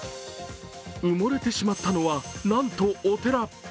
埋もれてしまったのは、なんとお寺。